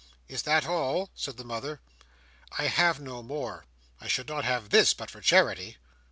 "Is that all?" said the mother. "I have no more. I should not have this, but for charity."